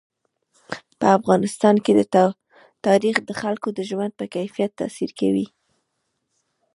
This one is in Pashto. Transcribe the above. په افغانستان کې تاریخ د خلکو د ژوند په کیفیت تاثیر کوي.